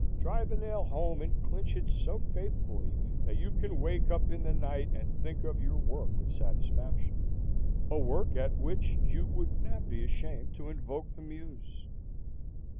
Drive a nail home and clinch it so faithfully that you can wake up in the night and think of your work with satisfaction,—a work at which you would not be ashamed to invoke the Muse.